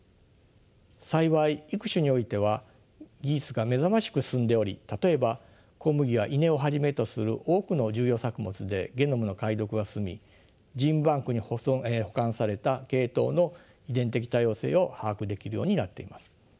幸い育種においては技術が目覚ましく進んでおり例えば小麦や稲をはじめとする多くの重要作物でゲノムの解読が進みジーンバンクに保管された系統の遺伝的多様性を把握できるようになっています。